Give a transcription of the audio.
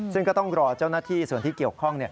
ซึ่งก็ต้องรอเจ้าหน้าที่ส่วนที่เกี่ยวข้อง